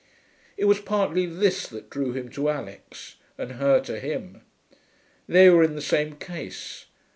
It was partly this that drew him to Alix and her to him. They were in the same case.